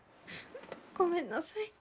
ごめんなさい。